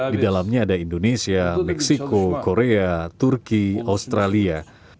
di dalamnya ada indonesia meksiko korea turki australia